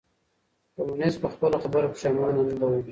کمونيسټ په خپله خبره پښېمانه نه و.